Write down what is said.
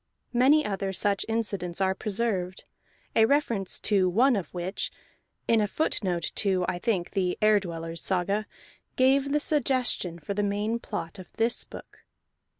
Many other such incidents are preserved, a reference to one of which (in a footnote to I think the Ere Dwellers' Saga) gave the suggestion for the main plot of this book.